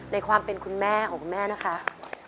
ในความเป็นคุณแม่ของคุณแม่นะคะ